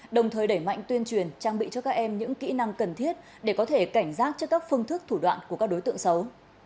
đồng thời đẩy mạnh tuyên truyền trang bị cho các em những kỹ năng cần thiết để có thể cảnh giác trước các phương thức thủ đoạn của các đối tượng xấu